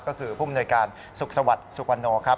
ก็คือผู้มนวยการสุขสวัสดิ์สุวรรณโนครับ